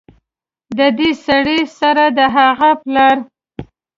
ددې سړي سره د هغه پلار